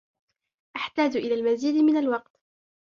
أحتاج إلى المزيد من الوقت.